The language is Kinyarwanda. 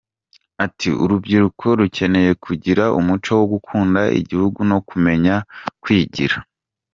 Ati “Urubyiruko rukeneye kugira umuco wo gukunda igihugu no kumenya kwigira.